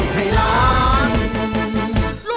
ฟอเวส